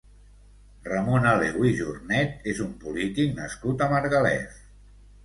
Ramon Aleu i Jornet és un polític nascut a Margalef.